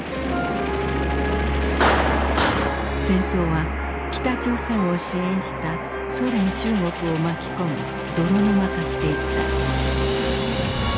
戦争は北朝鮮を支援したソ連中国を巻き込み泥沼化していった。